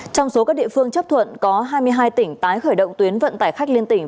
trong số các địa phương chấp thuận có hai mươi hai tỉnh tái khởi động tuyến vận tải khách liên tỉnh